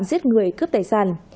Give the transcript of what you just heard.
giết người cướp tài sản